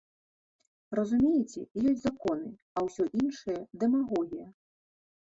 Разумееце, ёсць законы, а ўсё іншае дэмагогія.